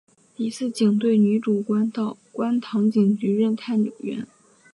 一次警队女主管到观塘警局任探员。